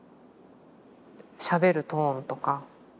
しゃべるトーンとか。